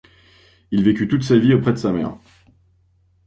Il vécut toute sa vie auprès de sa mère.